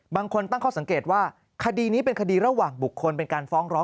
บางคนตั้งข้อสังเกตว่า